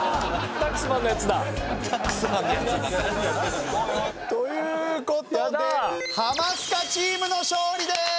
「ＴＡＸＭＡＮのやつだ」。という事でハマスカチームの勝利です！